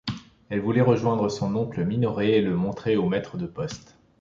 Elle voulait rejoindre cet oncle Minoret et le montrer au maître de poste.